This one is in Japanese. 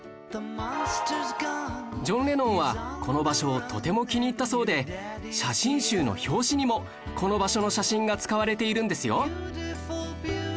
ジョン・レノンはこの場所をとても気に入ったそうで写真集の表紙にもこの場所の写真が使われているんですよ